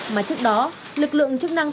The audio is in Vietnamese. mà trước đó lực lượng chức năng